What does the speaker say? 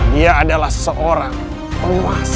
dia adalah seorang penguasa